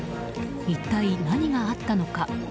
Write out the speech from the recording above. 一体何があったのか。